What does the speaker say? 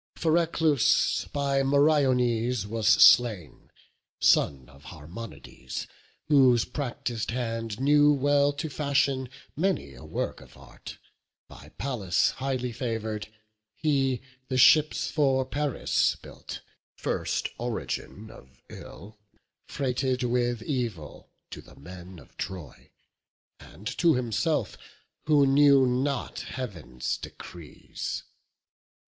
Phereclus by Meriones was slain, Son of Harmonides, whose practis'd hand Knew well to fashion many a work of art; By Pallas highly favour'd; he the ships For Paris built, first origin of ill, Freighted with evil to the men of Troy, And to himself, who knew not Heav'n's decrees.